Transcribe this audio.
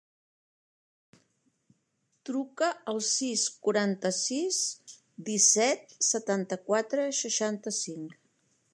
Truca al sis, quaranta-sis, disset, setanta-quatre, seixanta-cinc.